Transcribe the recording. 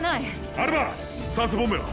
アルバ酸素ボンベは？